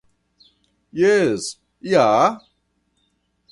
Jes, ja?